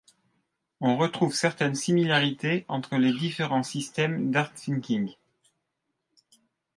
On retrouve certaines similarités entre les différents systèmes d’Art Thinking.